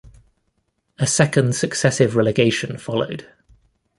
A second successive relegation followed.